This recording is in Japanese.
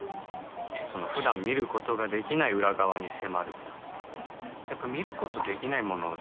そのふだん見ることができない裏側に迫るやっぱ見ることできないもの